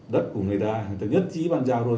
đất của người ta người ta nhất trí bàn rào rồi